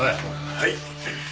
はい。